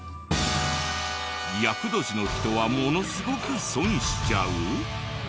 厄年の人はものすごく損しちゃう？